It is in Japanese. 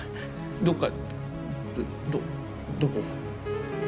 どっかってどどこ？